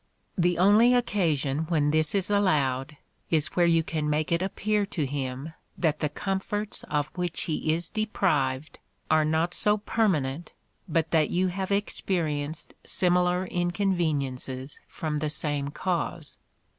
The only occasion when this is allowed, is where you can make it appear to him that the comforts of which he is deprived are not so permanent but that you have experienced similar inconveniences from the same cause.